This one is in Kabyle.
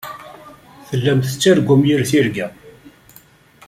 Tellam tettargum yir tirga.